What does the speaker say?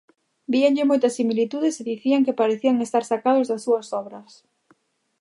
Víanlle moitas similitudes e dicían que parecían estar sacados das súas obras.